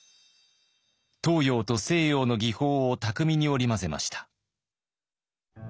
東洋と西洋の技法を巧みに織り交ぜました。